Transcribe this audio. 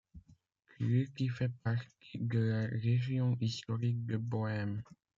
Kluky fait partie de la région historique de Bohême.